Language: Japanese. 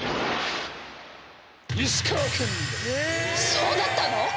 そうだったの？